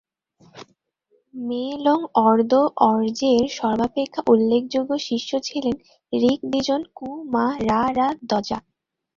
মে-লোং-র্দো-র্জের সর্বাপেক্ষা উল্লেখযোগ্য শিষ্য ছিলেন রিগ-'দ্জিন-কু-মা-রা-রা-দ্জা।